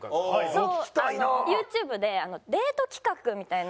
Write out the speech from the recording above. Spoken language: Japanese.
そうＹｏｕＴｕｂｅでデート企画みたいな。